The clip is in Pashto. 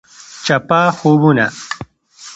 چپه خوبونه …